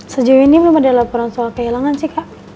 sejauh ini belum ada laporan soal kehilangan sih kak